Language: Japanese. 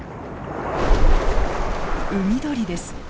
海鳥です。